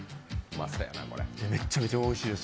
ほんとめっちゃめちゃおいしいです。